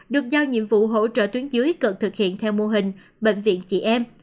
được giao nhiệm vụ hỗ trợ tuyến dưới cần thực hiện theo mô hình bệnh viện chị em